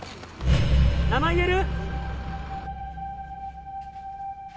名前言える？